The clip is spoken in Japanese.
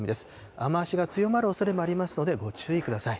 雨足が強まるおそれがありますので、ご注意ください。